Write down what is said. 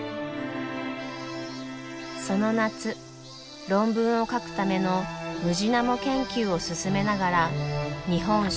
その夏論文を書くためのムジナモ研究を進めながら「日本植物志図譜」